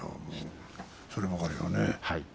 そればかりはね。